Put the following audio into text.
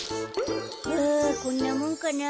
フこんなもんかな。